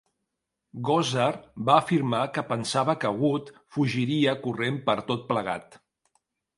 Gossard va afirmar que pensava que Wood fugiria corrent per tot plegat.